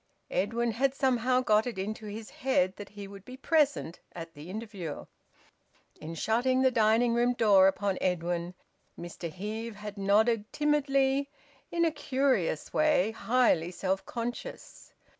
Edwin had somehow got it into his head that he would be present at the interview. In shutting the dining room door upon Edwin, Mr Heve had nodded timidly in a curious way, highly self conscious.